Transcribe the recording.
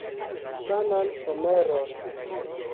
Sanan someron.